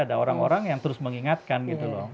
ada orang orang yang terus mengingatkan gitu loh